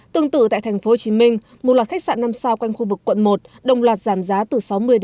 tương tự tại tp hcm một loạt khách sạn năm sao quanh khu vực quận một đồng loạt giảm giá từ sáu mươi năm mươi